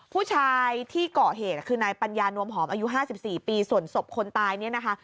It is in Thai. ผู้ชายที่เกาะเหตุคือนายปัญญานวมหอมอายุ๕๔ปีส่วนศพคนตายเนี่ยนะคะ